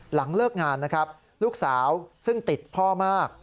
หลังเลิกงานนะครับลูกสาวซึ่งติดพ่อมาก